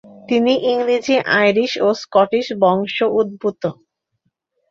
তিনি ইংরেজ, আইরিশ ও স্কটিশ বংশোদ্ভূত।